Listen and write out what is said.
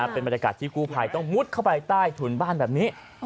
เป็นบรรยากาศที่กู้ภัยต้องมุดเข้าไปใต้ถุนบ้านแบบนี้